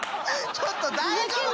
ちょっと大丈夫か？